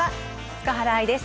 塚原愛です。